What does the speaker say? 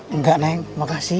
enggak neng makasih